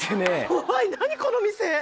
怖い何この店。